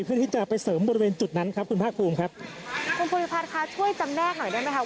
เพื่อที่จะไปเสริมบริเวณจุดนั้นครับคุณภาคภูมิครับคุณภูริพัฒน์ค่ะช่วยจำแนกหน่อยได้ไหมคะ